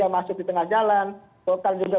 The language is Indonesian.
masuk di tengah jalan total juga